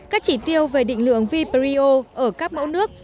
các chỉ tiêu về định lượng viperio ở các mẫu nước